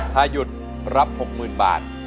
ถ้าหยุดรับ๖๐๐๐บาท